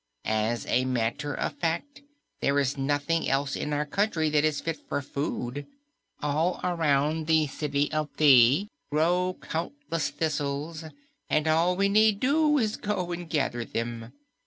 As a matter of fact, there is nothing else in our country that is fit for food. All around the City of Thi grow countless thistles, and all we need do is to go and gather them.